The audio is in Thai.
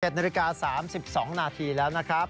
๗นาฬิกา๓๒นาทีแล้วนะครับ